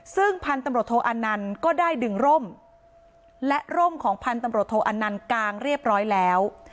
ซึ่งพันธุ์ตำรวจโทอันนันต์ก็ได้ดึงร่มและร่มของพันธุ์ตำรวจโทอันนันต์กางเรียบร้อยแล้ว